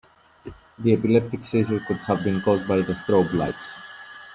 The epileptic seizure could have been cause by the strobe lights.